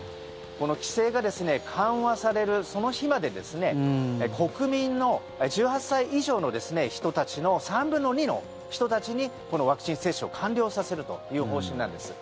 規制が緩和されるその日まで国民の１８歳以上の人たちの３分の２の人たちにこのワクチン接種を完了させるという方針なんです。